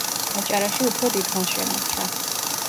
აჭარაში უფრო დიდხანს შემორჩა.